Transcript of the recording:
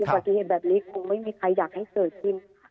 ปฏิเหตุแบบนี้คงไม่มีใครอยากให้เกิดขึ้น